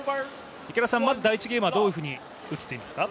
まず第１ゲームはどういうふうに映っていますか？